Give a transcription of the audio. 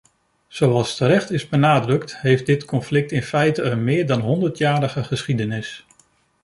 Zoals terecht is benadrukt, heeft dit conflict in feite een meer dan honderdjarige geschiedenis.